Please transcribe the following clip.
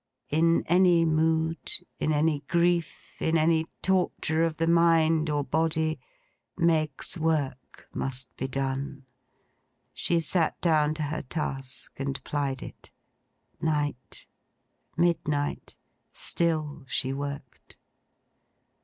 In any mood, in any grief, in any torture of the mind or body, Meg's work must be done. She sat down to her task, and plied it. Night, midnight. Still she worked.